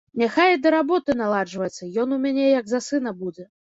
Няхай і да работы наладжваецца, ён у мяне як за сына будзе.